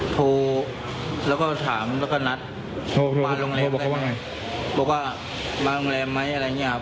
โทรแล้วก็ถามแล้วก็นัดบ้านโรงแรมบอกว่าบ้านโรงแรมไหมอะไรอย่างเนี่ยครับ